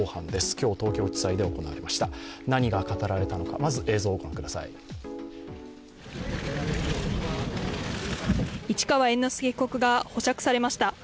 今日、東京地裁で行われました、何が語られたのか、市川猿之助被告が保釈されました。